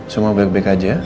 semua baik baik aja